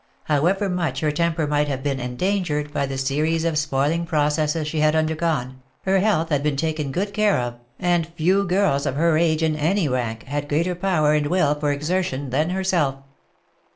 However much her temper might have been endangered by the series of spoiling processes she had undergone, her health had been taken good care of, and few girls of her age in any rank, had greater power and will for exertion than herself.